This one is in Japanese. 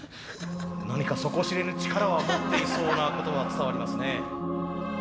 何か底知れぬ力は持っていそうなことは伝わりますね。